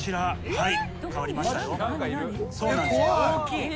はい。